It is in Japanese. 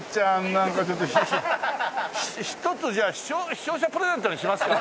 なんかちょっと一つじゃあ視聴者プレゼントにしますか！